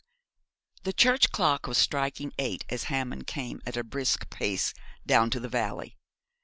The church clock was striking eight as Hammond came at a brisk pace down to the valley.